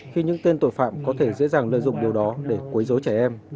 khi những tên tội phạm có thể dễ dàng lợi dụng điều đó để quấy dối trẻ em